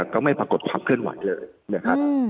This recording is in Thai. ก็ไม่ปรากฏความเคลื่อนไหวเลย